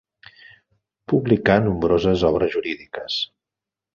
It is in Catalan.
Publicà nombroses obres jurídiques.